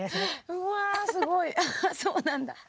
うわすごいああそうなんだ。